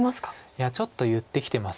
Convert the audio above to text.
いやちょっと言ってきてます